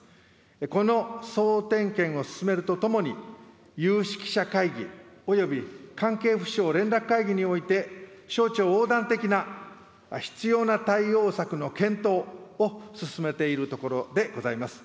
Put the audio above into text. この総点検を進めるとともに、有識者会議および関係府省連絡会議において省庁横断的な必要な対応策の検討を進めているところでございます。